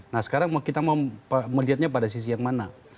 nah sekarang kita mau melihatnya pada sisi yang mana